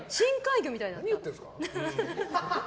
何言ってるんですか？